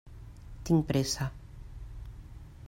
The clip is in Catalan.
Tinc pressa.